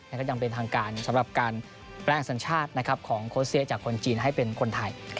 ยังเป็นทางการสำหรับการแปลงสัญชาติของโค้ชเซียจากคนจีนให้เป็นคนไทย